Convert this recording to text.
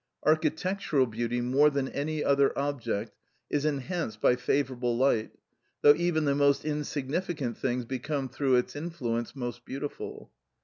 Architectural beauty more than any other object is enhanced by favourable light, though even the most insignificant things become through its influence most beautiful.